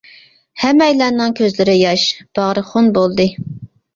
ھەممەيلەننىڭ كۆزلىرى ياش، باغرى خۇن بولدى.